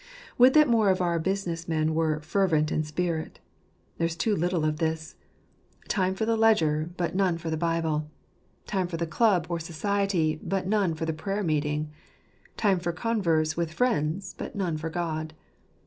Would that more of our business men were " fervent in spirit "! There is too little of this. Time for the ledger, "jfafojti Jti sqprmt." 123 but none for the Bible. Time for the club or society, but none for the prayer meeting. Time for converse with friends, but none for God.